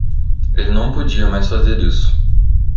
Ele não podia mais fazer isso.